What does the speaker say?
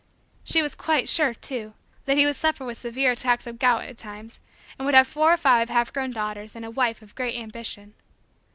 She was quite sure, too, that he would suffer with severe attacks of gout at times and would have four or five half grown daughters and a wife of great ambition.